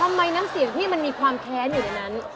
น้ำเสียงที่มันมีความแค้นอยู่ในนั้น